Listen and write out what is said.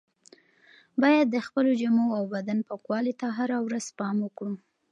باید د خپلو جامو او بدن پاکوالي ته هره ورځ پام وکړو.